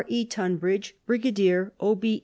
E. TUNBRIDGE Brigadier, O.B.